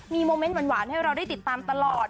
มีโมเมนต์หวานให้เราได้ติดตามตลอด